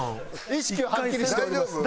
意識ははっきりしております。